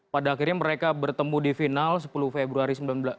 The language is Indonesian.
pada akhirnya mereka bertemu di final sepuluh februari seribu sembilan ratus enam puluh